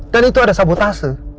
dan itu ada sabotase